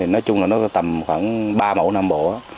nói chung là nó tầm khoảng ba mẫu năm bộ